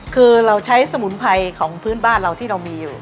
คือเราใช้สมุนไพรของพื้นบ้านเราที่เรามีอยู่